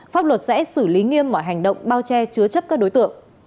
pháp luật sẽ xử lý nghiêm mọi hành động bao che chứa chấp các đối tượng